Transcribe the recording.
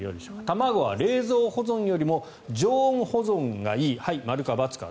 卵は冷蔵保存よりも常温保存がいいはい、○か×か。